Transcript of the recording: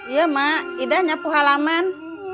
iya mak ida nyapu halaman